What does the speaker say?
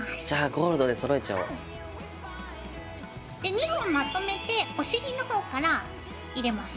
で２本まとめてお尻の方から入れます。